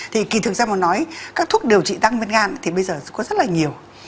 thì kỳ thường xa mà nói các thuốc điều trị tăng men gan thì bây giờ có rất là nhiều